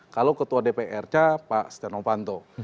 kalau ketua dprc pak setia novanto